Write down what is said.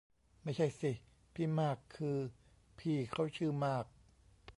ไม่ใช่สิ พี่มาก คือพี่เค้าชื่อมาก